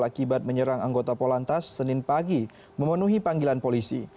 akibat menyerang anggota polantas senin pagi memenuhi panggilan polisi